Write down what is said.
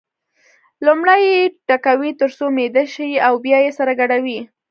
لومړی یې ټکوي تر څو میده شي او بیا یې سره ګډوي.